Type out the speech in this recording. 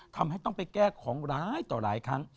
ทำให้ต้องไปแก้ของร้ายต่อหลายครั้ง